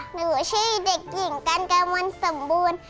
หนูชื่อเด็กหญิงกันกามนสมบูรณ์